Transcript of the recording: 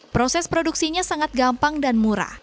proses produksinya sangat gampang dan murah